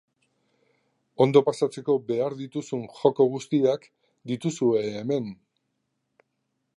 Ondo pasatzeko behar dituzun joko guztiak dituzue hemen!